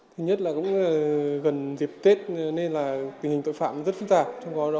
thứ nhất là cũng gần dịp tết nên là tình hình tội phạm rất phức tạp